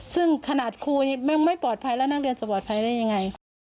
ซึ่งขนาดครูยังไม่ปลอดภัยแล้วนักเรียนจะปลอดภัยได้ยังไง